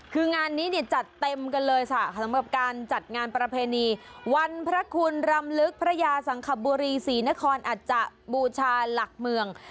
คืองานนี้เนี่ยจัดเต็มกันเลยค่ะสำหรับการจัดงานประเพณีวันพระคุณรำลึกพระยาสังคบุรีศรีนครอาจจะบูชาหลักเมือง